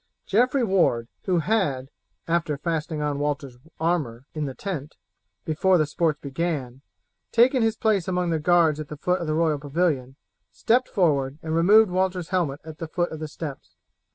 Geoffrey Ward, who had, after fastening on Walter's armour in the tent, before the sports began, taken his place among the guards at the foot of the royal pavilion, stept forward and removed Walter's helmet at the foot of the steps.